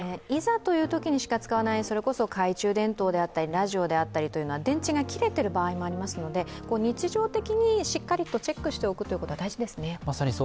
いざというときにしか使わない懐中電灯であったりラジオというのは電池が切れている場合もありますので、日常的にしっかりとチェックしておくことが大事ですね。